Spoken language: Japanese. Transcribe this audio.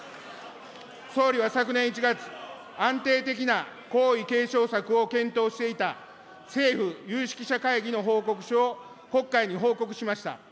総理は昨年１月、安定的な皇位継承策を検討していた政府有識者会議の報告書を国会に報告しました。